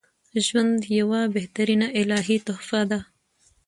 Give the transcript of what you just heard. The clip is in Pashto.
ژوند یوه بهترینه الهی تحفه ده